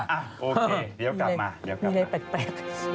โอเคเดี๋ยวกลับมา